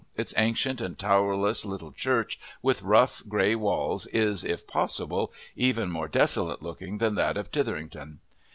Its ancient and towerless little church with rough, grey walls is, if possible, even more desolate looking than that of Tytherington.